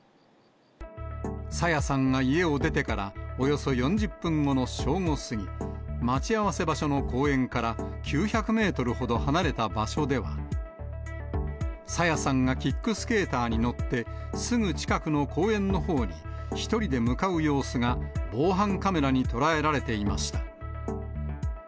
朝芽さんが家を出てからおよそ４０分後の正午過ぎ、待ち合わせ場所の公園から９００メートルほど離れた場所では、朝芽さんがキックスケーターに乗って、すぐ近くの公園のほうに１人で向かう様子が防犯カメラに捉えられていました。